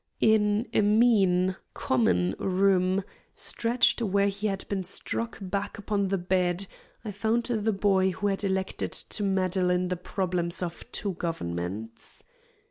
In a mean, common room, stretched where he had been struck back upon the bed, I found the boy who had elected to meddle in the "problems of two governments."